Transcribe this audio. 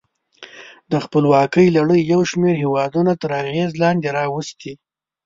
د خپلواکیو لړۍ یو شمیر هېودونه تر اغېز لاندې راوستي.